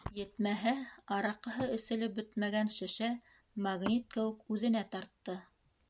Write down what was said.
Етмәһә, араҡыһы эселеп бөтмәгән шешә магнит кеүек үҙенә тартты.